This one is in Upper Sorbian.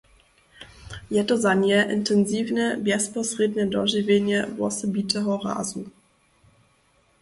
Je to za nje intensiwne, bjezposrědnje dožiwjenje wosebiteho razu.